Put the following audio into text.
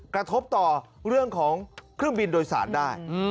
กระทบต่อเรื่องของเครื่องบินโดยสารได้